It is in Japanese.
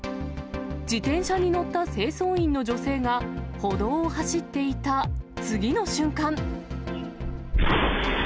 自転車に乗った清掃員の女性が、歩道を走っていた次の瞬間。